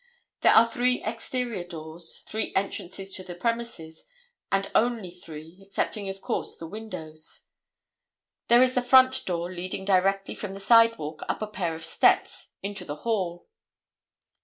There are three exterior doors, three entrances to these premises, and only three, excepting of course, the windows. There is the front door leading directly from the sidewalk up a pair of steps into the hall.